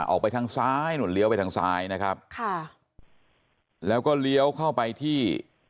ออกไปทางซ้ายนู่นเลี้ยวไปทางซ้ายนะครับค่ะแล้วก็เลี้ยวเข้าไปที่